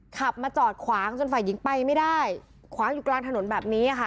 กับความอย่างเก่